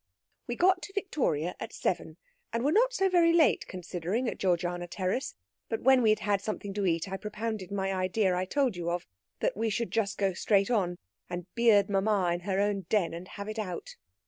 "We got to Victoria at seven, and were not so very late considering at G. Terrace; but when we had had something to eat I propounded my idea I told you of, that we should just go straight on, and beard mamma in her own den, and have it out.